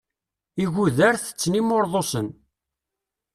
Igudar tetten imurḍusen.